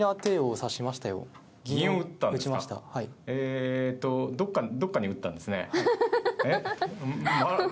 えっ？